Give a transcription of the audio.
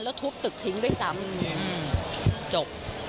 แล้วทุบตึกทิ้งด้วยซ้ำจบ